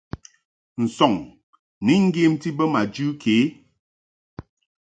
Nsɔŋ ni ŋgyemti bo ma jɨ ke.